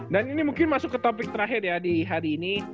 dan ini mungkin masuk ke topik terakhir ya di hari ini